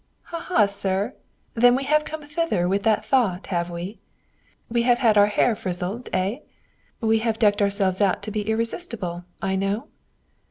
"Ha, ha, sir! then we have come thither with that thought, have we? We have had our hair frizzled, eh? We have decked ourselves out to be irresistible, I know?"